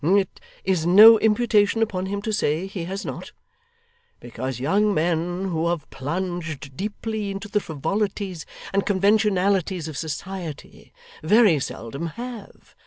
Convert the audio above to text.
It is no imputation upon him to say he has not, because young men who have plunged deeply into the frivolities and conventionalities of society, very seldom have.